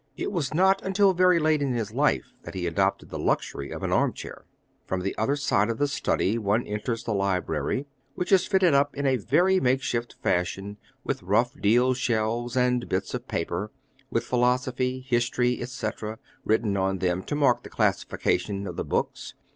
It was not until very late in his life that he adopted the luxury of an armchair. From the other side of the study one enters the library, which is fitted up in a very make shift fashion, with rough deal shelves, and bits of paper, with Philosophy, History, etc., written on them, to mark the classification of the books.